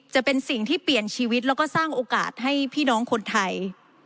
จะเป็นสิ่งที่เปลี่ยนชีวิตแล้วก็สร้างโอกาสให้พี่น้องคนไทย